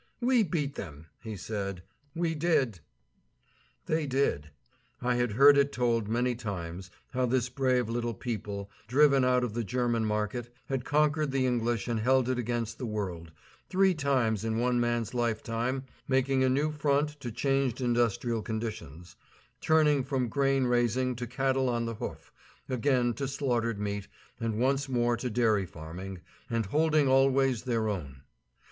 "We beat them," he said; "we did." They did. I had heard it told many times how this brave little people, driven out of the German market, had conquered the English and held it against the world, three times in one man's lifetime making a new front to changed industrial conditions; turning from grain raising to cattle on the hoof, again to slaughtered meat, and once more to dairy farming, and holding always their own.